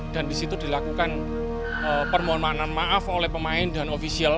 dan disitu dilakukan permohonan maaf oleh pemain dan ofisial